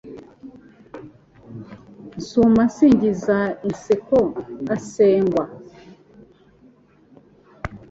Nsuma nsingiza inseko asengwa